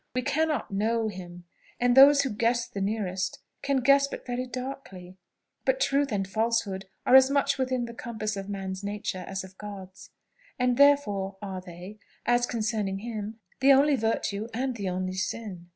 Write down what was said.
WE CANNOT KNOW HIM; and those who guess the nearest, can guess but very darkly. But truth and falsehood are as much within the compass of man's nature as of God's, and therefore are they, as concerning Him, the only virtue and the only sin."